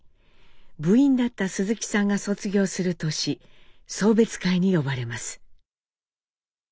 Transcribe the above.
部員だった鈴木さんが卒業する年送別会に呼ばれます。